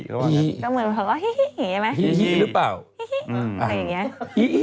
ก็เหมือนพวกเขาฮี่ใช่ไหม